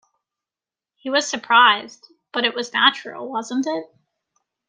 He was surprised; but it was natural, wasn't it?